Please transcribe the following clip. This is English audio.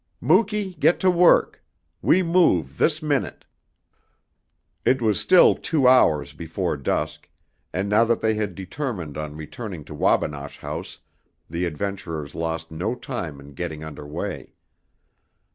"Muky, get to work. We move this minute!" It was still two hours before dusk, and now that they had determined on returning to Wabinosh House the adventurers lost no time in getting under way.